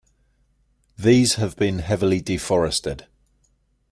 These have been heavily deforested.